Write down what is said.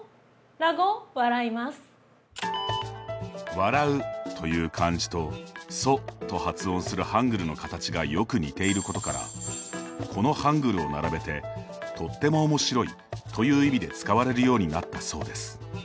「笑う」という漢字と「ソ」と発音するハングルの形がよく似ていることからこのハングルを並べてとってもおもしろいという意味で使われるようになったそうです。